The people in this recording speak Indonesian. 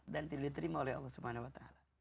dan tidak diterima oleh allah swt